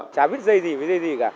chả biết dây gì với dây gì cả